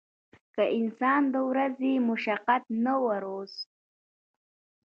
کۀ انسان د ورځې د مشقت نه وروستو